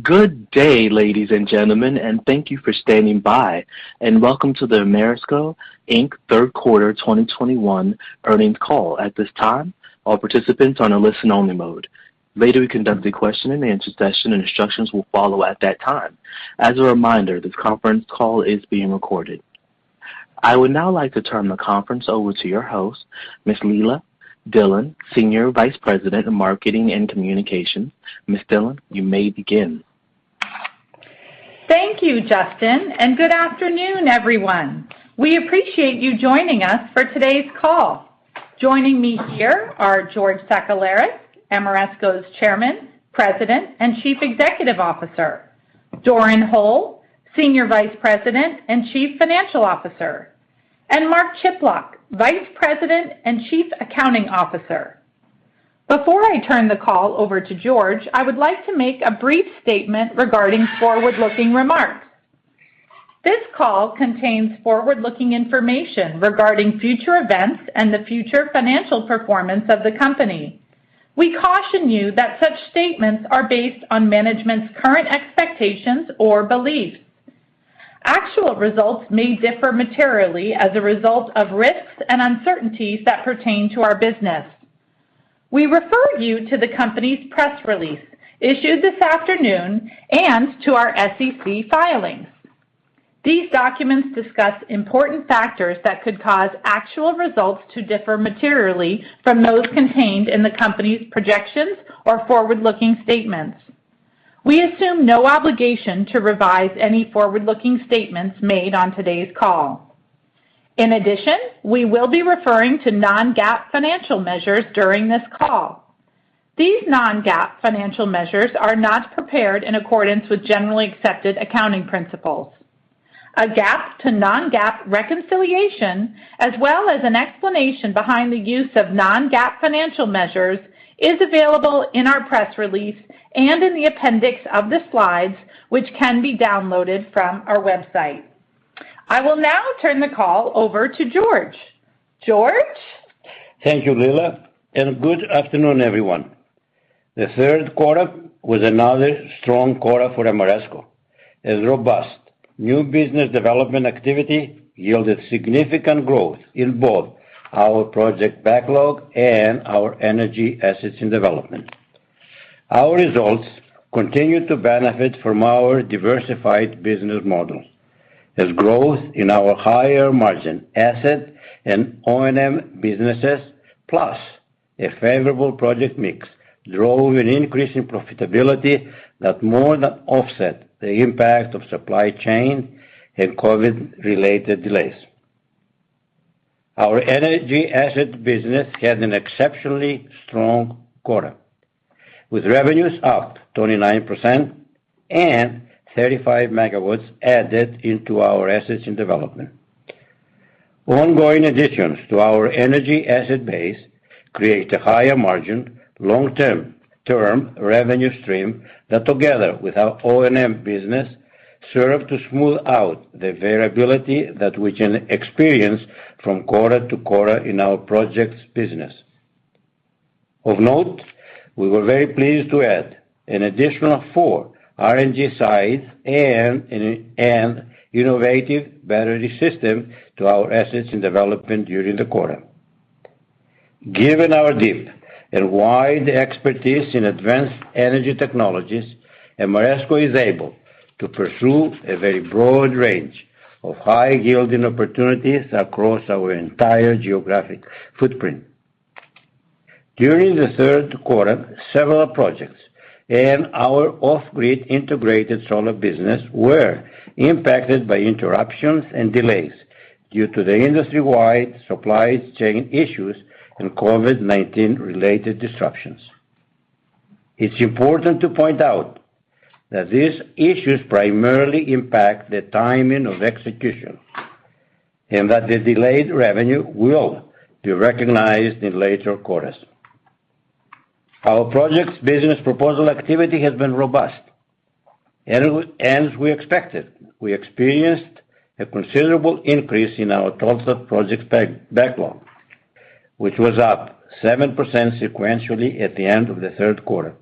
Good day, ladies and gentlemen, and thank you for standing by, and welcome to the Ameresco, Inc. Third Quarter 2021 earnings call. At this time, all participants are on a listen-only mode. Later, we conduct a question and answer session, and instructions will follow at that time. As a reminder, this conference call is being recorded. I would now like to turn the conference over to your host, Ms. Leila Dillon, Senior Vice President of Marketing and Communications. Ms. Dillon, you may begin. Thank you, Justin, and good afternoon, everyone. We appreciate you joining us for today's call. Joining me here are George P. Sakellaris, Ameresco's Chairman, President, and Chief Executive Officer. Doran Hole, Senior Vice President and Chief Financial Officer, and Mark Chiplock, Vice President and Chief Accounting Officer. Before I turn the call over to George, I would like to make a brief statement regarding Forward-Looking remarks. This call contains Forward-Looking information regarding future events and the future financial performance of the company. We caution you that such statements are based on management's current expectations or beliefs. Actual results may differ materially as a result of risks and uncertainties that pertain to our business. We refer you to the company's press release issued this afternoon and to our SEC filings. These documents discuss important factors that could cause actual results to differ materially from those contained in the company's projections or Forward-Looking statements. We assume no obligation to revise any Forward-Looking statements made on today's call. In addition, we will be referring to Non-GAAP financial measures during this call. These Non-GAAP financial measures are not prepared in accordance with generally accepted accounting principles. A GAAP to Non-GAAP reconciliation, as well as an explanation behind the use of Non-GAAP financial measures, is available in our press release and in the appendix of the Slides, which can be downloaded from our website. I will now turn the call over to George. George. Thank you, Leila, and good afternoon, everyone. The third quarter was another strong 1/4 for Ameresco. A robust new business development activity yielded significant growth in both our project backlog and our energy assets in development. Our results continued to benefit from our diversified business models as growth in our higher-margin asset and O&M businesses, plus a favorable project mix, drove an increase in profitability that more than offset the impact of supply chain and COVID-related delays. Our energy asset business had an exceptionally strong 1/4, with revenues up 29% and 35 MW added into our assets in development. Ongoing additions to our energy asset base create a higher margin, long-term revenue stream that, together with our O&M business, serve to smooth out the variability that we can experience from 1/4 to 1/4 in our projects business. Of note, we were very pleased to add an additional four RNG sites and an innovative battery system to our assets in development during the 1/4. Given our deep and wide expertise in advanced energy technologies, Ameresco is able to pursue a very broad range of high-yielding opportunities across our entire geographic footprint. During the third quarter, several projects and our off-grid integrated solar business were impacted by interruptions and delays due to the industry-wide supply chain issues and COVID-19 related disruptions. It's important to point out that these issues primarily impact the timing of execution and that the delayed revenue will be recognized in later quarters. Our projects business proposal activity has been robust. As we expected, we experienced a considerable increase in our total project backlog, which was up 7% sequentially at the end of the third quarter.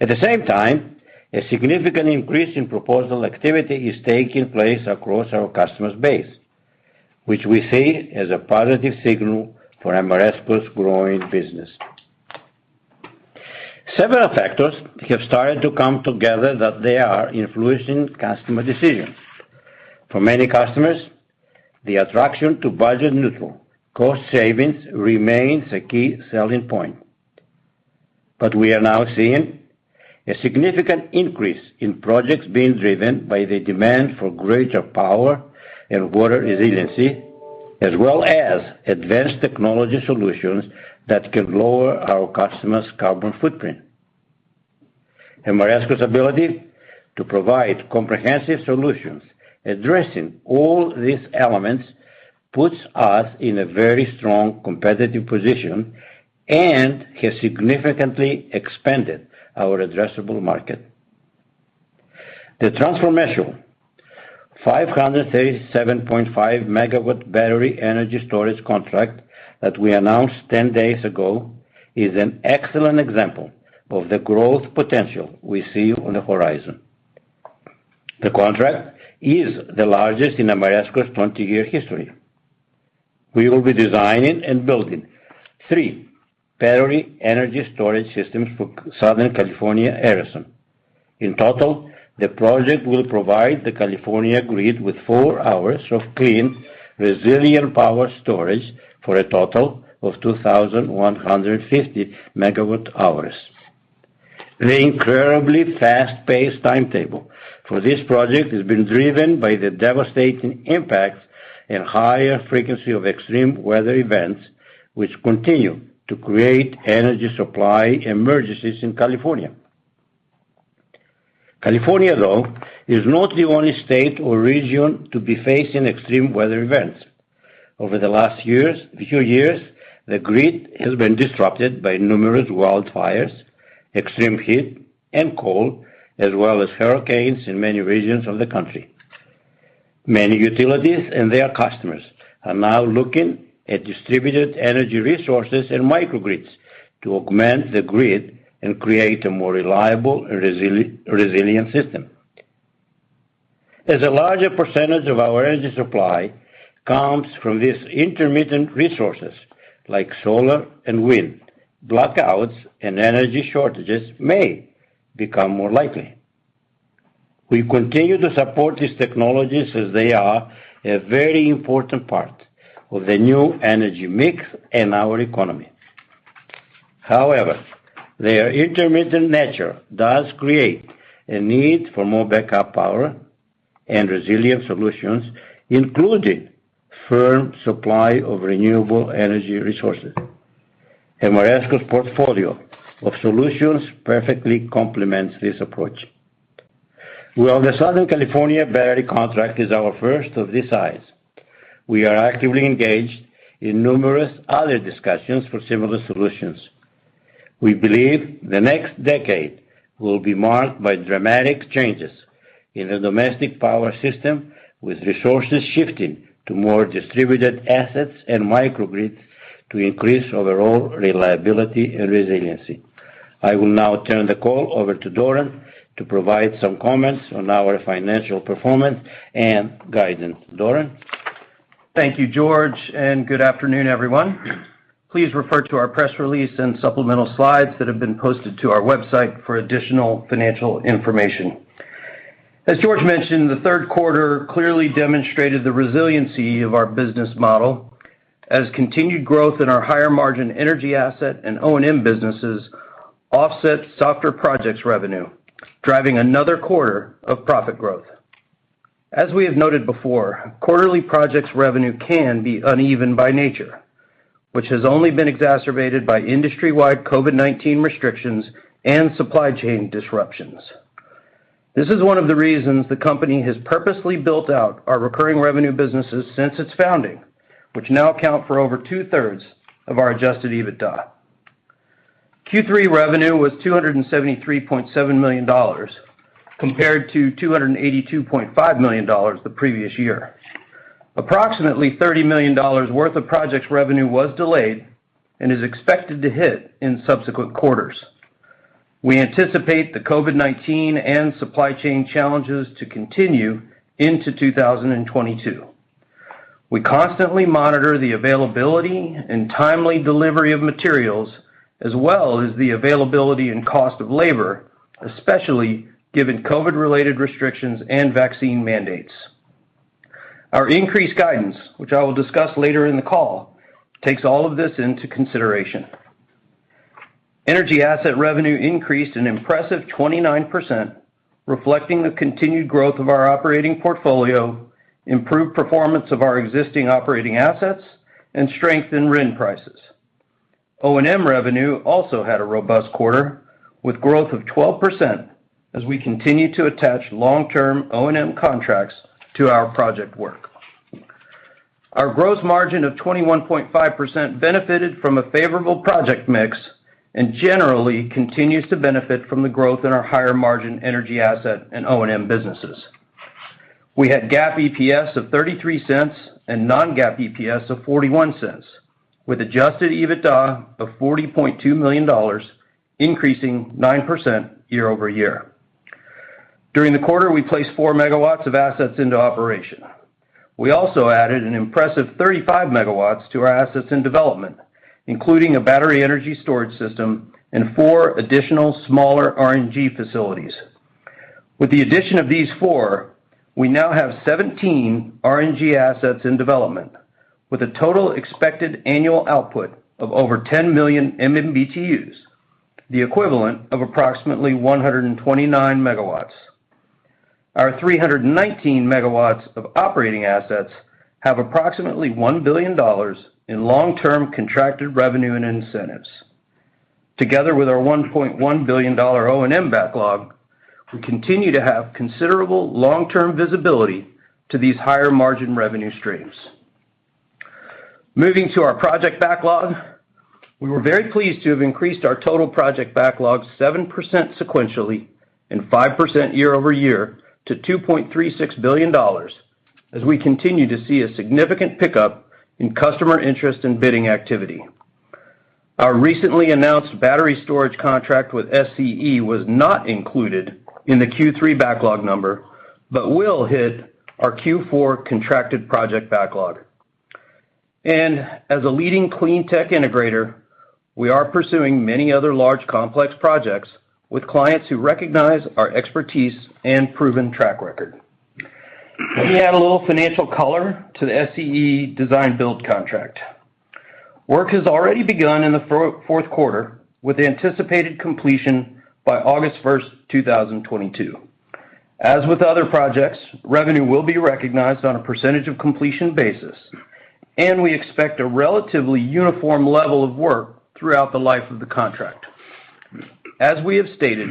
At the same time, a significant increase in proposal activity is taking place across our customer base, which we see as a positive signal for Ameresco's growing business. Several factors have started to come together that are influencing customer decisions. For many customers, the attraction to budget neutral cost savings remains a key selling point. We are now seeing a significant increase in projects being driven by the demand for greater power and water resiliency, as well as advanced technology solutions that can lower our customers' carbon footprint. Ameresco's ability to provide comprehensive solutions addressing all these elements puts us in a very strong competitive position and has significantly expanded our addressable market. The transformational 537.5 MW battery energy storage contract that we announced 10 days ago is an excellent example of the growth potential we see on the horizon. The contract is the largest in Ameresco's 20-year history. We will be designing and building 3 battery energy storage systems for Southern California Edison. In total, the project will provide the California grid with 4 hours of clean, resilient power storage for a total of 2,150 MWh. The incredibly fast-paced timetable for this project has been driven by the devastating impacts and higher frequency of extreme weather events, which continue to create energy supply emergencies in California. California, though, is not the only state or region to be facing extreme weather events. Over the last few years, the grid has been disrupted by numerous wildfires, extreme heat and cold, as well as hurricanes in many regions of the country. Many utilities and their customers are now looking at distributed energy resources and microgrids to augment the grid and create a more reliable and resilient system. As a larger percentage of our energy supply comes from these intermittent resources, like solar and wind, blackouts and energy shortages may become more likely. We continue to support these technologies as they are a very important part of the new energy mix in our economy. However, their intermittent nature does create a need for more backup power and resilient solutions, including firm supply of renewable energy resources. Ameresco's portfolio of solutions perfectly complements this approach. Well, the Southern California battery contract is our first of this size. We are actively engaged in numerous other discussions for similar solutions. We believe the next decade will be marked by dramatic changes in the domestic power system, with resources shifting to more distributed assets and microgrids to increase overall reliability and resiliency. I will now turn the call over to Doran to provide some comments on our financial performance and guidance. Doran? Thank you, George, and good afternoon, everyone. Please refer to our press release and supplemental Slides that have been posted to our website for additional financial information. As George mentioned, the third quarter clearly demonstrated the resiliency of our business model as continued growth in our higher-margin energy asset and O&M businesses offset softer projects revenue, driving another 1/4 of profit growth. As we have noted before, quarterly projects revenue can be uneven by nature, which has only been exacerbated by industry-wide COVID-19 restrictions and supply chain disruptions. This is one of the reasons the company has purposely built out our recurring revenue businesses since its founding, which now account for over 2-1/3s of our Adjusted EBITDA. Q3 revenue was $273.7 million, compared to $282.5 million the previous year. Approximately $30 million worth of projects revenue was delayed and is expected to hit in subsequent quarters. We anticipate the COVID-19 and supply chain challenges to continue into 2022. We constantly monitor the availability and timely delivery of materials, as well as the availability and cost of labor, especially given COVID-related restrictions and vaccine mandates. Our increased guidance, which I will discuss later in the call, takes all of this into consideration. Energy asset revenue increased an impressive 29%, reflecting the continued growth of our operating portfolio, improved performance of our existing operating assets, and strength in RIN prices. O&M revenue also had a robust 1/4, with growth of 12% as we continue to attach long-term O&M contracts to our project work. Our gross margin of 21.5% benefited from a favorable project mix and generally continues to benefit from the growth in our higher-margin energy asset and O&M businesses. We had GAAP EPS of $0.33 and Non-GAAP EPS of $0.41, with adjusted EBITDA of $40.2 million, increasing 9% year over year. During the 1/4, we placed 4 MW of assets into operation. We also added an impressive 35 MW to our assets in development, including a battery energy storage system and 4 additional smaller RNG facilities. With the addition of these 4, we now have 17 RNG assets in development, with a total expected annual output of over 10 million MMBtu, the equivalent of approximately 129 MW. Our 319 MW of operating assets have approximately $1 billion in long-term contracted revenue and incentives. Together with our $1.1 billion O&M backlog, we continue to have considerable long-term visibility to these higher-margin revenue streams. Moving to our project backlog. We were very pleased to have increased our total project backlog 7% sequentially and 5% year-over-year to $2.36 billion as we continue to see a significant pickup in customer interest and bidding activity. Our recently announced battery storage contract with SCE was not included in the Q3 backlog number, but will hit our Q4 contracted project backlog. As a leading clean tech integrator, we are pursuing many other large, complex projects with clients who recognize our expertise and proven track record. Let me add a little financial color to the SCE design build contract. Work has already begun in the fourth 1/4 with the anticipated completion by August 1, 2022. As with other projects, revenue will be recognized on a percentage of completion basis, and we expect a relatively uniform level of work throughout the life of the contract. As we have stated,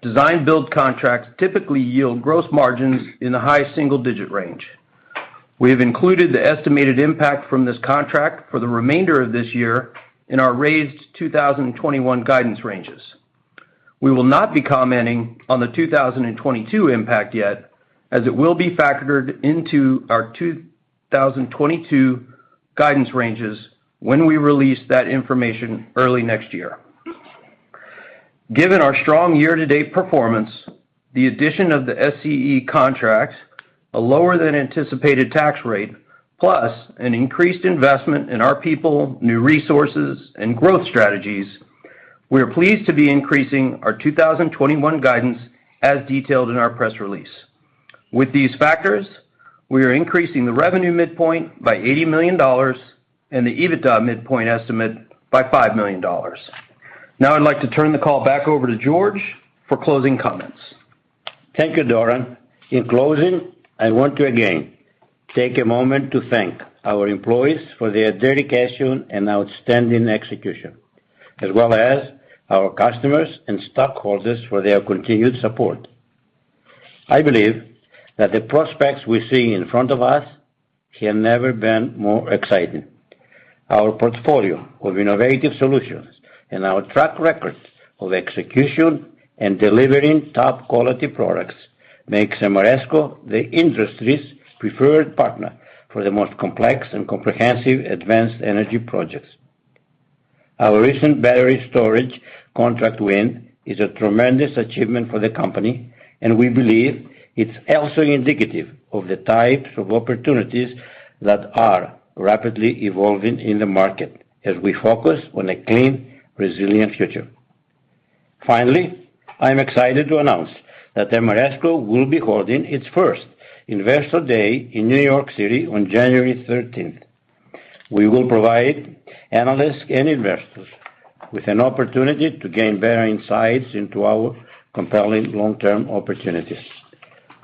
design build contracts typically yield gross margins in the high single-digit range. We have included the estimated impact from this contract for the remainder of this year in our raised 2021 guidance ranges. We will not be commenting on the 2022 impact yet, as it will be factored into our 2022 guidance ranges when we release that information early next year. Given our strong year-to-date performance, the addition of the SCE contract, a lower than anticipated tax rate, plus an increased investment in our people, new resources, and growth strategies, we are pleased to be increasing our 2021 guidance as detailed in our press release. With these factors, we are increasing the revenue midpoint by $80 million and the EBITDA midpoint estimate by $5 million. Now I'd like to turn the call back over to George for closing comments. Thank you, Doran. In closing, I want to again take a moment to thank our employees for their dedication and outstanding execution, as well as our customers and stockholders for their continued support. I believe that the prospects we see in front of us have never been more exciting. Our portfolio of innovative solutions and our track record of execution and delivering top quality products makes Ameresco the industry's preferred partner for the most complex and comprehensive advanced energy projects. Our recent battery storage contract win is a tremendous achievement for the company, and we believe it's also indicative of the types of opportunities that are rapidly evolving in the market as we focus on a clean, resilient future. Finally, I'm excited to announce that Ameresco will be holding its first Investor Day in New York City on January thirteenth. We will provide analysts and investors with an opportunity to gain better insights into our compelling long-term opportunities.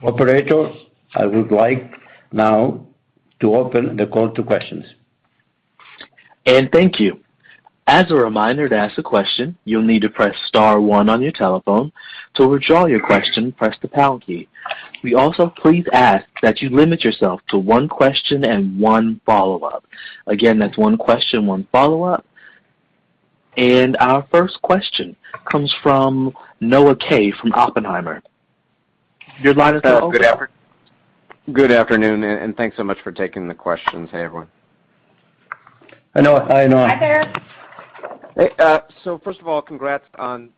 Operator, I would like now to open the call to questions. Thank you. As a reminder, to ask a question, you'll need to press star one on your telephone. To withdraw your question, press the pound key. We also please ask that you limit yourself to one question and one Follow-Up. Again, that's one question, one Follow-Up. Our first question comes from Noah Kaye from Oppenheimer. Your line is now open. Good afternoon, and thanks so much for taking the questions. Hey, everyone. Hi, Noah. Hi there. Hey. First of all, congrats on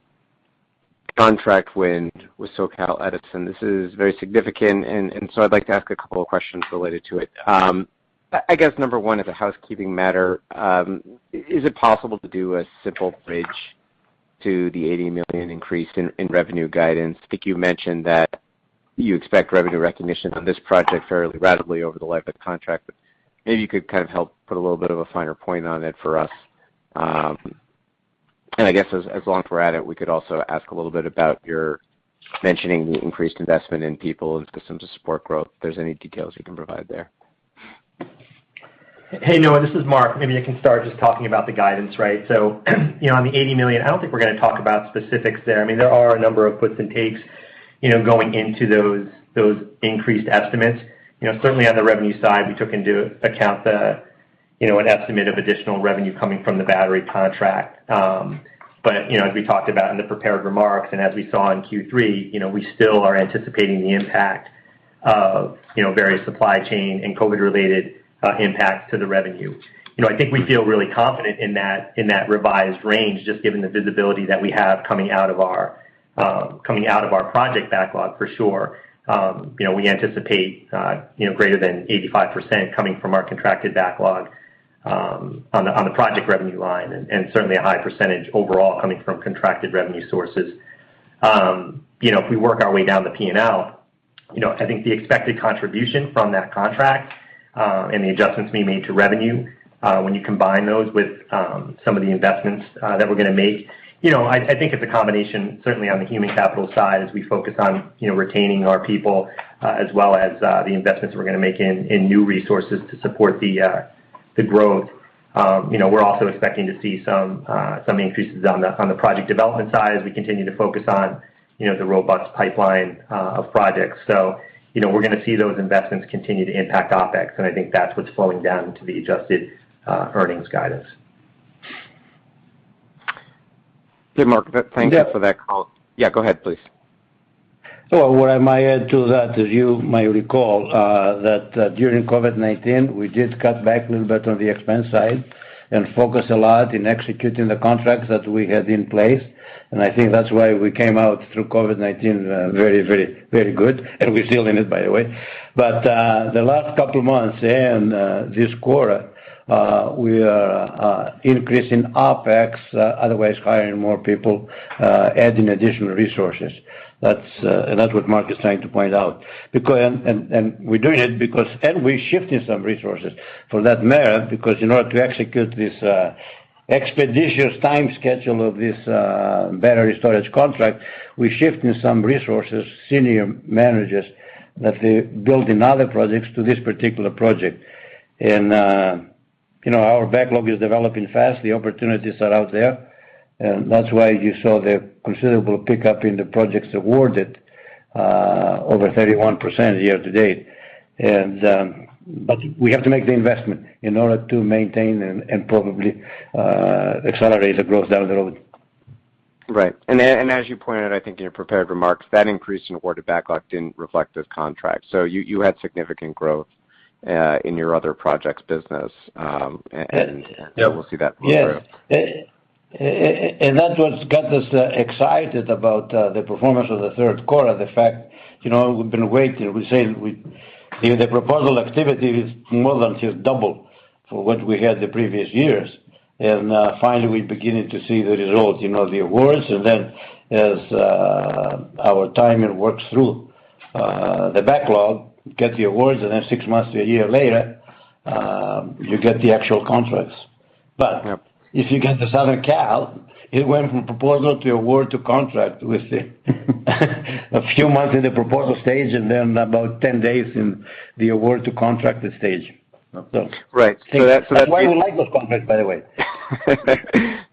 contract win with SoCal Edison. This is very significant, and so I'd like to ask a couple of questions related to it. I guess number 1 is a housekeeping matter. Is it possible to do a simple bridge to the $80 million increase in revenue guidance? I think you mentioned that you expect revenue recognition on this project fairly rapidly over the life of contract, but maybe you could kind of help put a little bit of a finer point on it for us. And I guess as long as we're at it, we could also ask a little bit about your mentioning the increased investment in people and systems to support growth, if there's any details you can provide there. Hey, Noah, this is Mark. Maybe I can start just talking about the guidance, right? You know, on the $80 million, I don't think we're gonna talk about specifics there. I mean, there are a number of puts and takes, you know, going into those increased estimates. You know, certainly on the revenue side, we took into account the, you know, an estimate of additional revenue coming from the battery contract. But, you know, as we talked about in the prepared remarks and as we saw in Q3, you know, we still are anticipating the impact of, you know, various supply chain and COVID-related impacts to the revenue. You know, I think we feel really confident in that revised range, just given the visibility that we have coming out of our project backlog for sure. You know, we anticipate, you know, greater than 85% coming from our contracted backlog, on the project revenue line, and certainly a high percentage overall coming from contracted revenue sources. You know, if we work our way down the P&L, you know, I think the expected contribution from that contract, and the adjustments being made to revenue, when you combine those with, some of the investments, that we're gonna make, you know, I think it's a combination, certainly on the human capital side as we focus on, you know, retaining our people, as well as, the investments we're gonna make in new resources to support the growth. You know, we're also expecting to see some increases on the project development side as we continue to focus on, you know, the robust pipeline of projects. You know, we're gonna see those investments continue to impact OpEx, and I think that's what's flowing down to the adjusted earnings guidance. Hey, Mark. Thank you for that call. Yeah. Yeah, go ahead, please. What I might add to that, as you might recall, during COVID-19, we did cut back a little bit on the expense side and focus a lot in executing the contracts that we had in place. I think that's why we came out through COVID-19 very good, and we're still in it, by the way. The last couple of months and this 1/4, we are increasing OpEx, otherwise hiring more people, adding additional resources. That's what Mark is trying to point out. We're doing it because we're shifting some resources for that matter, because in order to execute this expeditious time schedule of this battery storage contract, we're shifting some resources, senior managers that they build in other projects to this particular project. You know, our backlog is developing fast. The opportunities are out there, and that's why you saw the considerable pickup in the projects awarded, over 31% year to date. We have to make the investment in order to maintain and probably accelerate the growth down the road. Right. As you pointed, I think in your prepared remarks, that increase in awarded backlog didn't reflect this contract. You had significant growth in your other projects business, and Yeah. We'll see that move through. Yes. That's what got us excited about the performance of the third quarter. The fact, you know, we've been waiting. The proposal activity is more than just double for what we had the previous years. Finally, we're beginning to see the results, you know, the awards. Then as our timing works through the backlog, get the awards, and then 6 months to 1 year later, you get the actual contracts. Yeah. If you get to Southern Cal, it went from proposal to award to contract with a few months in the proposal stage and then about 10 days in the award to contract the stage. Right. That's why you like those contracts, by the way.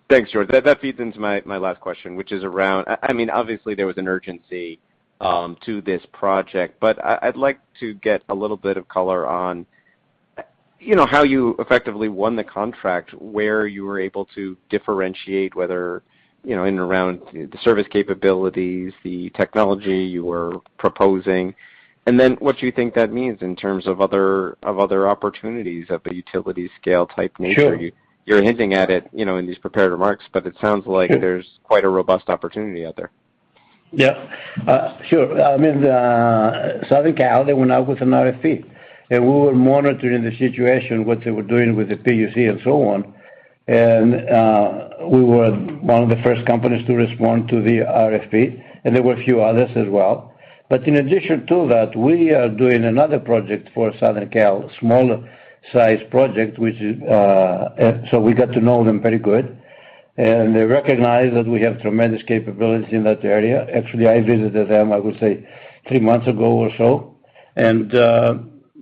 Thanks, George. That feeds into my last question, which is around. I mean, obviously there was an urgency to this project, but I'd like to get a little bit of color on, you know, how you effectively won the contract, where you were able to differentiate whether, you know, in or around the service capabilities, the technology you were proposing, and then what you think that means in terms of other opportunities of a utility scale type nature. Sure. You're hinting at it, you know, in these prepared remarks, but it sounds like. Sure. There's quite a robust opportunity out there. Yeah. Sure. I mean, the Southern Cal, they went out with an RFP, and we were monitoring the situation, what they were doing with the PUC and so on. We were one of the first companies to respond to the RFP, and there were a few others as well. In addition to that, we are doing another project for Southern Cal, smaller sized project. We got to know them very good. They recognize that we have tremendous capabilities in that area. Actually, I visited them, I would say, 3 months ago or so.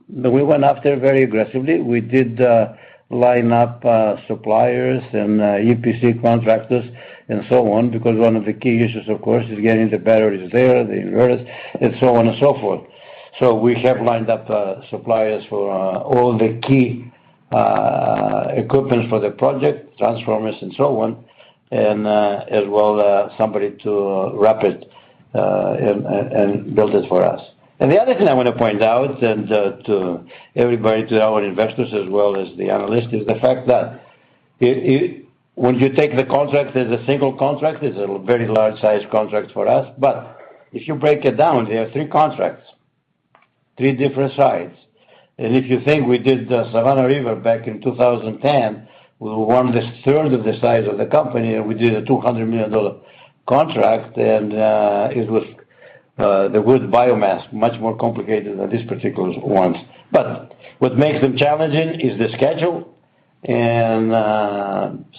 We went after very aggressively. We did line up suppliers and EPC contractors and so on, because one of the key issues, of course, is getting the batteries there, the inverters, and so on and so forth. We have lined up suppliers for all the key equipment for the project, transformers and so on, and as well, somebody to wrap it and build it for us. The other thing I want to point out to everybody, to our investors as well as the analysts, is the fact that it. When you take the contract as a single contract, it is a very large-sized contract for us. If you break it down, there are 3 contracts, 3 different sites. If you think we did the Savannah River back in 2010, we were one 1/3 the size of the company, and we did a $200 million contract, and it was the wood biomass, much more complicated than these particular ones. What makes them challenging is the schedule and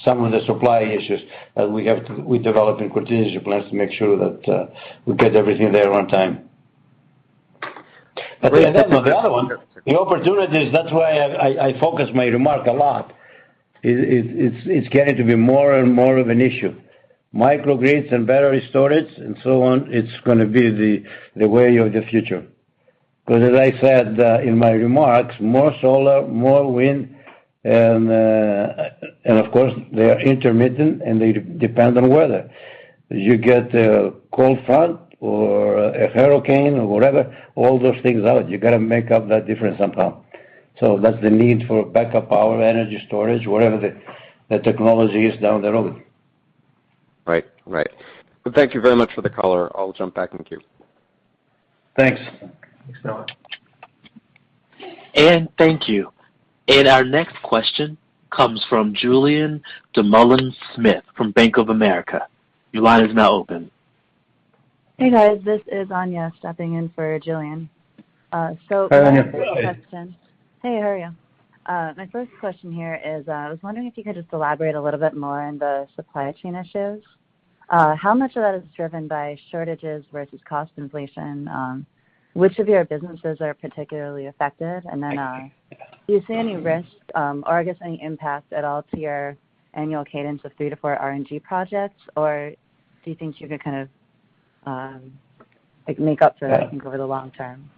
some of the supply issues that we have to develop contingency plans to make sure that we get everything there on time. On the other one, the opportunities, that's why I focus my remark a lot. It's getting to be more and more of an issue. Microgrids and battery storage and so on, it's gonna be the way of the future. Because as I said, in my remarks, more solar, more wind, and of course, they are intermittent, and they depend on weather. You get a cold front or a hurricane or whatever, all those things out, you got to make up that difference somehow. That's the need for backup power, energy storage, whatever the technology is down the road. Right. Right. Thank you very much for the color. I'll jump back in queue. Thanks. Thanks a lot. Thank you. Our next question comes from Julien Dumoulin-Smith from Bank of America. Your line is now open. Hey, guys, this is Anya stepping in for Julien. Hi, Anya. Hey, how are you? My first question here is, I was wondering if you could just elaborate a little bit more on the supply chain issues. How much of that is driven by shortages versus cost inflation? Which of your businesses are particularly affected? Do you see any risks, or I guess any impact at all to your annual cadence of 3-4 RNG projects? Or do you think you could kind of, like, make up for it, I think, over the long term?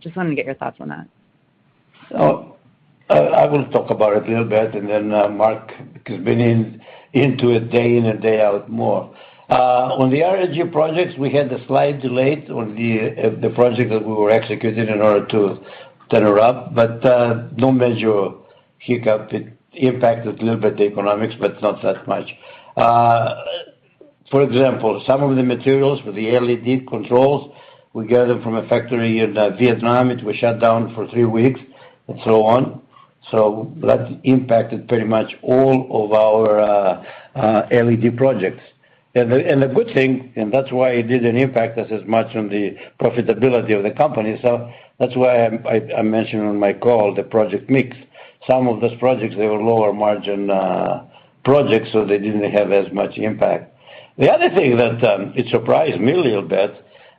Just wanted to get your thoughts on that. I will talk about it a little bit, and then Mark, who's been into it day in and day out more. On the RNG projects, we had a slight delay on the project that we were executing in order to turn it up, but no major hiccup. It impacted a little bit the economics, but not that much. For example, some of the materials for the LED controls, we get them from a factory in Vietnam. It was shut down for 3 weeks and so on. That impacted pretty much all of our LED projects. The good thing is that's why it didn't impact us as much on the profitability of the company. That's why I mentioned on my call the project mix. Some of those projects, they were lower margin projects, so they didn't have as much impact. The other thing that it surprised me a little bit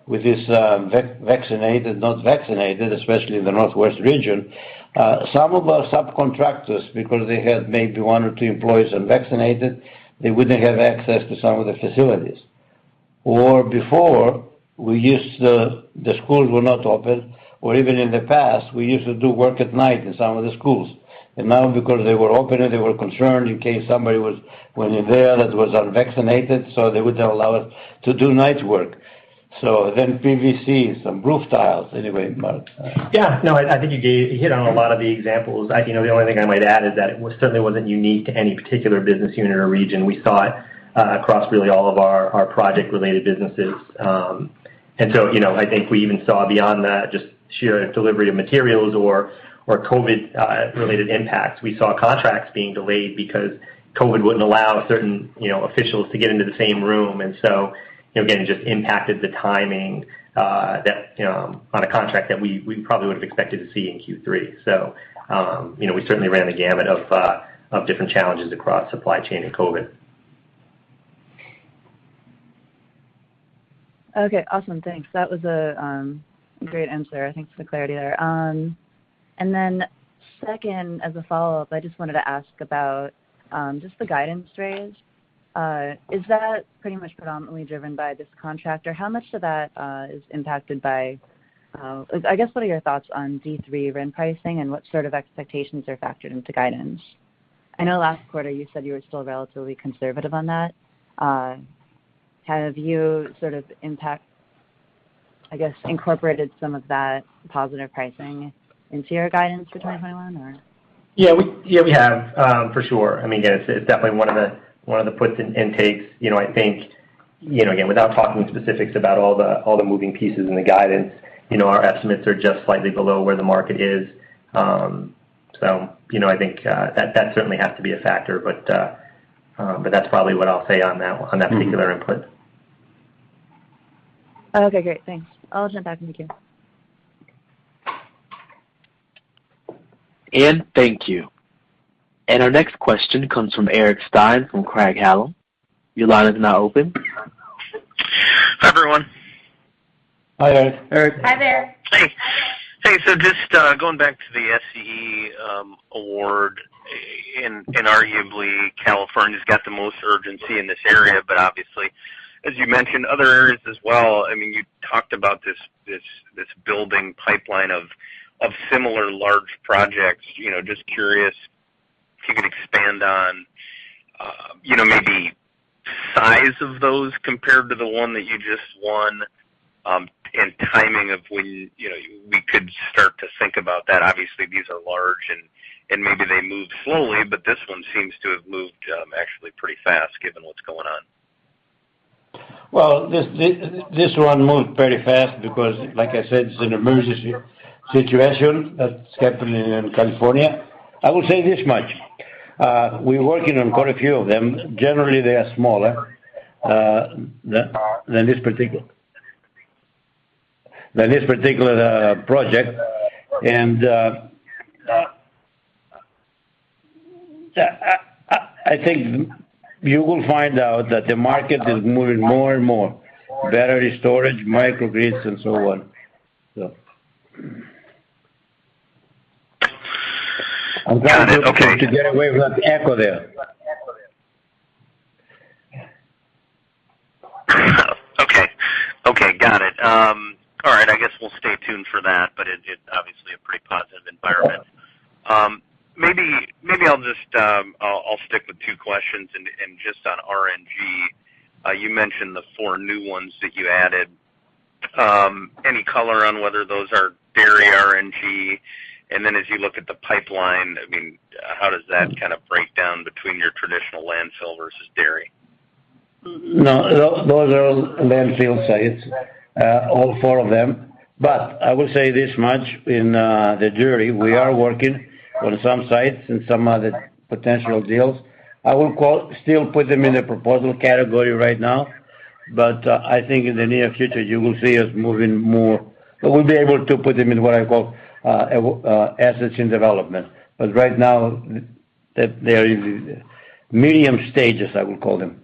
with this vaccinated, not vaccinated, especially in the Northwest region, some of our subcontractors, because they had maybe one or 2 employees unvaccinated, they wouldn't have access to some of the facilities. The schools were not open, or even in the past, we used to do work at night in some of the schools. Now because they were open and they were concerned in case somebody went in there that was unvaccinated, so they wouldn't allow us to do night work. PVC, some roof tiles. Anyway, Mark. Yeah. No, I think you hit on a lot of the examples. You know, the only thing I might add is that it certainly wasn't unique to any particular business unit or region. We saw it across really all of our project related businesses. You know, I think we even saw beyond that just sheer delivery of materials or COVID related impacts. We saw contracts being delayed because COVID wouldn't allow certain, you know, officials to get into the same room. You know, again, just impacted the timing that you know on a contract that we probably would have expected to see in Q3. You know, we certainly ran the gamut of different challenges across supply chain and COVID. Okay, awesome. Thanks. That was a great answer. Thanks for the clarity there. Second, as a Follow-Up, I just wanted to ask about just the guidance range. Is that pretty much predominantly driven by this contract, or how much of that is impacted by... I guess, what are your thoughts on D3 RIN pricing and what sort of expectations are factored into guidance? I know last 1/4 you said you were still relatively conservative on that. Have you sort of incorporated some of that positive pricing into your guidance for 2021 or? Yeah, we have for sure. I mean, again, it's definitely one of the puts and takes. You know, I think, again, without talking specifics about all the moving pieces and the guidance, you know, our estimates are just slightly below where the market is. So, you know, I think that certainly has to be a factor, but that's probably what I'll say on that particular input. Okay, great. Thanks. I'll jump back in the queue. Anne, thank you. Our next question comes from Eric Stine from Craig-Hallum. Your line is now open. Hi, everyone. Hi, Eric. Eric. Hi there. Hey. Hey. Just going back to the SCE award in arguably California's got the most urgency in this area, but obviously, as you mentioned, other areas as well. I mean, you talked about this building pipeline of similar large projects. You know, just curious if you could expand on, you know, maybe size of those compared to the one that you just won, and timing of when you know we could start to think about that. Obviously, these are large and maybe they move slowly, but this one seems to have moved actually pretty fast given what's going on. Well, this one moved very fast because, like I said, it's an emergency situation that's happening in California. I will say this much. We're working on quite a few of them. Generally, they are smaller than this particular project. I think you will find out that the market is moving more and more, battery storage, microgrids, and so on. So. Got it. Okay. I'm trying to get away with that echo there. Okay. Got it. All right. I guess we'll stay tuned for that, but it's obviously a pretty positive environment. Maybe I'll just stick with 2 questions and just on RNG. You mentioned the four new ones that you added. Any color on whether those are dairy RNG? And then as you look at the pipeline, I mean, how does that kind of break down between your traditional landfill versus dairy? No, those are all landfill sites, all four of them. I will say this much in the queue. We are working on some sites and some other potential deals. I will still put them in the proposal category right now. I think in the near future you will see us moving more. We'll be able to put them in what I call assets in development. Right now, they're in medium stages, I would call them.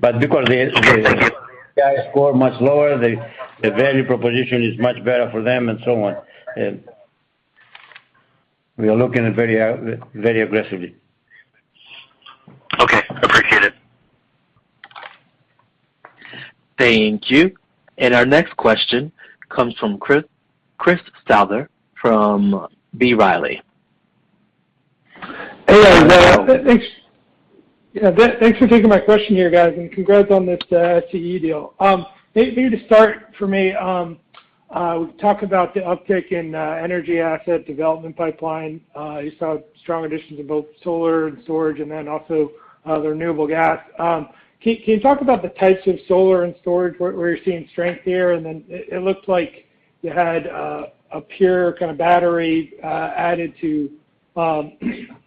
Because the price is so much lower, the value proposition is much better for them and so on. We are looking very aggressively. Okay. Appreciate it. Thank you. Our next question comes from Craig Shere from B. Riley. Hey, Angelo. Thanks. Yeah, thanks for taking my question here, guys, and congrats on this CE deal. Maybe to start for me, we've talked about the uptick in energy asset development pipeline. You saw strong additions in both solar and storage, and then also the renewable gas. Can you talk about the types of solar and storage, where you're seeing strength here? And then it looks like you had a pure kind of battery added during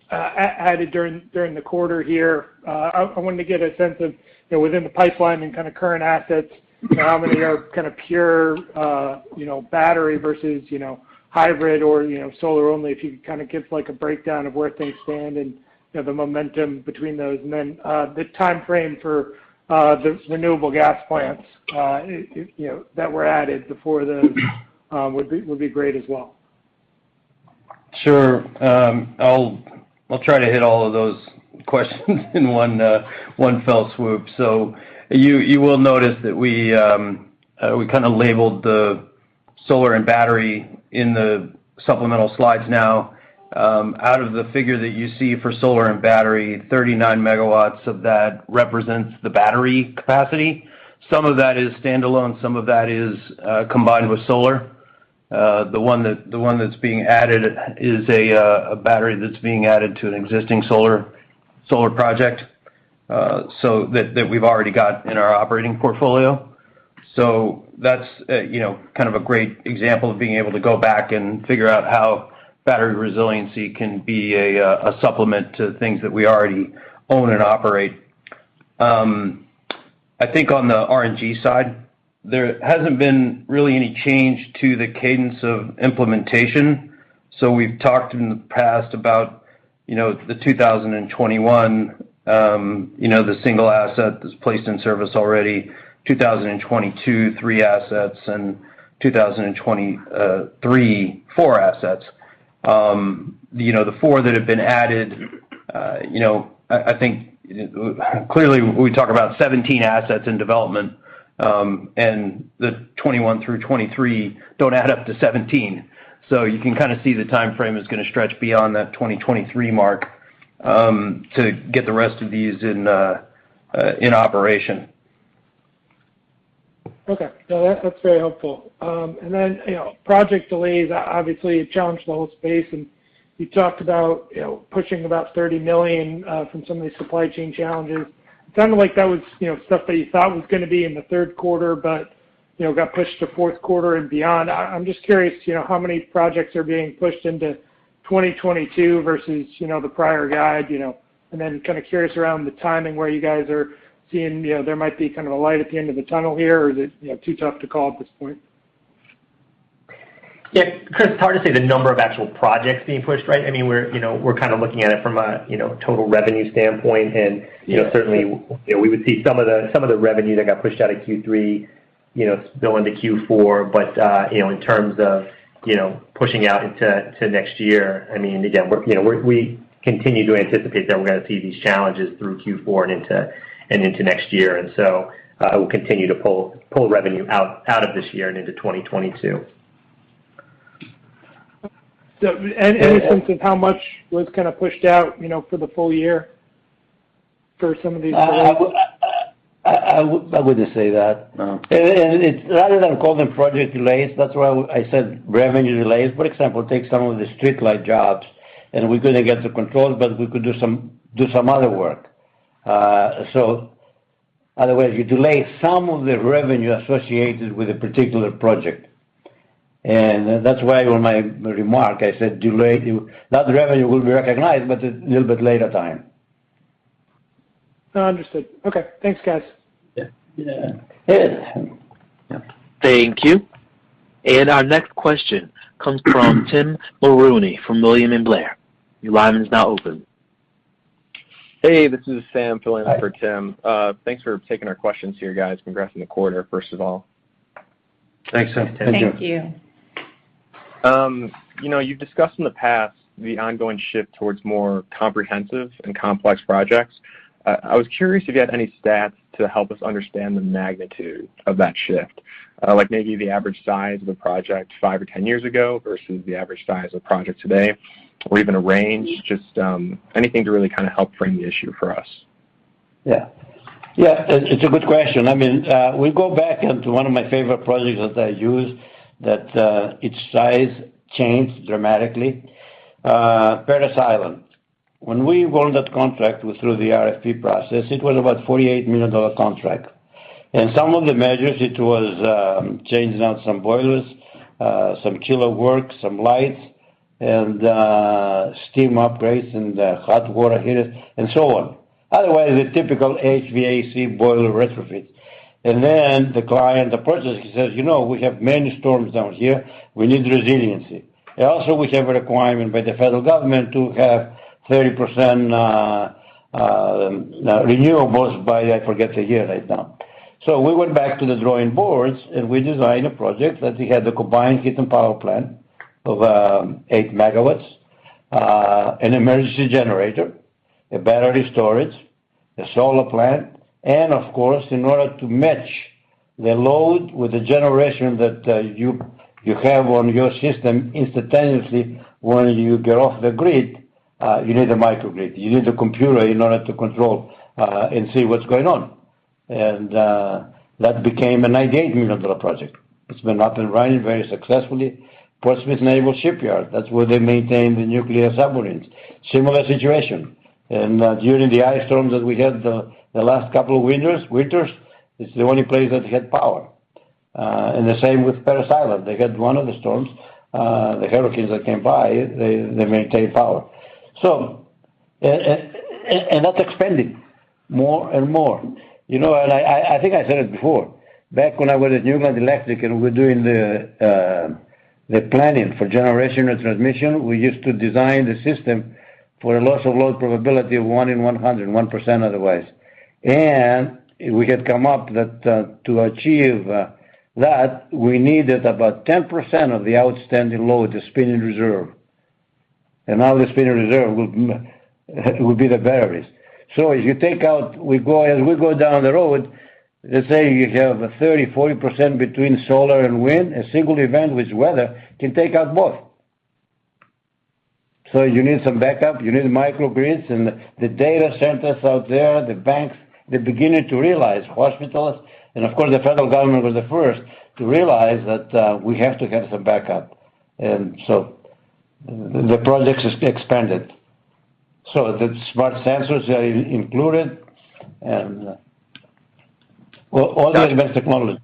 the 1/4 here. I wanted to get a sense of, you know, within the pipeline and kind of current assets, you know, how many are kind of pure, you know, battery versus, you know, hybrid or, you know, solar only. If you could kind of give, like, a breakdown of where things stand and, you know, the momentum between those. The timeframe for the renewable gas plants, you know, that were added before the would be great as well. Sure. I'll try to hit all of those questions in one fell swoop. You will notice that we kind of labeled the solar and battery in the supplemental Slides now. Out of the figure that you see for solar and battery, 39 MW of that represents the battery capacity. Some of that is standalone, some of that is combined with solar. The one that's being added is a battery that's being added to an existing solar project, so that we've already got in our operating portfolio. That's kind of a great example of being able to go back and figure out how battery resiliency can be a supplement to things that we already own and operate. I think on the RNG side, there hasn't been really any change to the cadence of implementation. We've talked in the past about, you know, the 2021, you know, the single asset that's placed in service already. 2022, 3 assets, and 2023, 4 assets. You know, the 4 that have been added, you know, I think clearly we talk about 17 assets in development, and the 2021 through 2023 don't add up to 17. You can kind of see the timeframe is gonna stretch beyond that 2023 mark, to get the rest of these in operation. Okay. No, that's very helpful. Then, you know, project delays obviously challenged the whole space, and you talked about, you know, pushing about $30 million from some of these supply chain challenges. Sounded like that was, you know, stuff that you thought was gonna be in the third quarter, but, you know, got pushed to fourth 1/4 and beyond. I'm just curious, you know, how many projects are being pushed into 2022 versus, you know, the prior guide, you know. Then kinda curious around the timing where you guys are seeing, you know, there might be kind of a light at the end of the tunnel here, or is it, you know, too tough to call at this point? Yeah. Chris, it's hard to say the number of actual projects being pushed, right? I mean, we're, you know, we're kind of looking at it from a, you know, total revenue standpoint. Yeah. You know, certainly, you know, we would see some of the revenue that got pushed out of Q3, you know, spill into Q4. You know, in terms of, you know, pushing out into next year, I mean, again, we continue to anticipate that we're gonna see these challenges through Q4 and into next year. We'll continue to pull revenue out of this year and into 2022. Any sense of how much was kind of pushed out, you know, for the full year for some of these delays? I wouldn't say that. No. It's rather than call them project delays, that's why I said revenue delays. For example, take some of the streetlight jobs, and we couldn't get the controls, but we could do some other work. Otherwise, you delay some of the revenue associated with a particular project. That's why on my remark, I said delay. That revenue will be recognized, but a little bit later time. No, understood. Okay. Thanks, guys. Yeah. Yeah. Thank you. Our next question comes from Tim Mulrooney from William Blair. Your line is now open. Hey, this is Sam filling in for Tim. Hi. Thanks for taking our questions here, guys. Congrats on the 1/4, first of all. Thanks, Sam. Thank you. You know, you've discussed in the past the ongoing shift towards more comprehensive and complex projects. I was curious if you had any stats to help us understand the magnitude of that shift, like maybe the average size of a project 5 or 10 years ago versus the average size of a project today, or even a range. Just, anything to really kind of help frame the issue for us. Yeah. It's a good question. I mean, we go back into one of my favorite projects that I use. Its size changed dramatically, Parris Island. When we won that contract through the RFP process, it was about a $48 million contract. Some of the measures, it was changing out some boilers, some chiller work, some lights, and steam upgrades and hot water heaters, and so on. Otherwise, a typical HVAC boiler retrofit. Then the client approaches us. He says, "You know, we have many storms down here. We need resiliency." Also, we have a requirement by the federal government to have 30% renewables by. I forget the year right now. We went back to the drawing boards, and we designed a project that we had the combined heat and power plant of 8 MW, an emergency generator, a battery storage, a solar plant, and of course, in order to match the load with the generation that you have on your system instantaneously when you get off the grid, you need a microgrid. You need a computer in order to control and see what's going on. That became a $98 million project. It's been up and running very successfully. Portsmouth Naval Shipyard, that's where they maintain the nuclear submarines. Similar situation. During the ice storms that we had the last couple of winters, it's the only place that had power. And the same with Parris Island. They had one of the storms, the hurricanes that came by, they maintained power. That's expanding more and more. I think I said it before, back when I was at New England Electric and we're doing the planning for generation and transmission, we used to design the system for a loss of load probability of one in 100, 1% otherwise. We had come up with that to achieve that, we needed about 10% of the outstanding load to spinning reserve. Now the spinning reserve will be the batteries. If you take out, we go down the road, let's say you have a 30%-40% between solar and wind, a single event with weather can take out both. You need some backup, you need microgrids and the data centers out there, the banks, they're beginning to realize, hospitals. Of course, the federal government was the first to realize that, we have to have some backup. The projects has expanded. The smart sensors are included and, all the advanced technology.